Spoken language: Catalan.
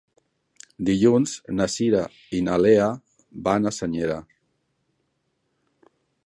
Dilluns na Cira i na Lea van a Senyera.